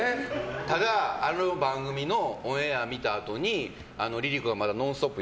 ただ、あの番組のオンエアを見たあとにＬｉＬｉＣｏがまだ「ノンストップ！」